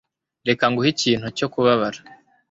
Reka nguhe ikintu cyo kubabara